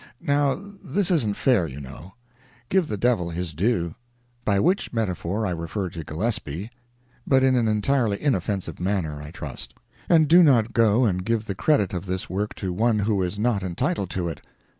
Now this isn't fair, you know. Give the devil his due—by which metaphor I refer to Gillespie, but in an entirely inoffensive manner, I trust; and do not go and give the credit of this work to one who is not entitled to it.